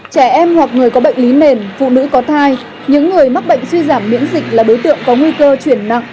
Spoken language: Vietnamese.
trẻ em hoặc người có bệnh lý nền phụ nữ có thai những người mắc bệnh suy giảm miễn dịch là đối tượng có nguy cơ chuyển nặng